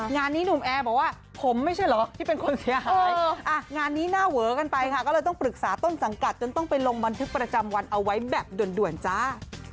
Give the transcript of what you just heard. งานนี้หนุ่มแอร์บอกว่าผมไม่ใช่เหรอที่เป็นคนเสียหายงานนี้หน้าเวอกันไปค่ะก็เลยต้องปรึกษาต้นสังกัดจนต้องไปลงบันทึกประจำวันเอาไว้แบบด่วนจ้า